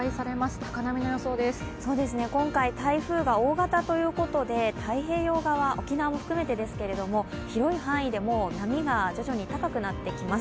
今回、台風が大型ということで太平洋側、沖縄も含めてですけど広い範囲で波が徐々に高くなってきます。